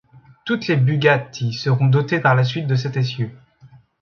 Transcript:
Toutes les Bugatti seront dotées par la suite de cet essieu.